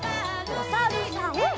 おさるさん。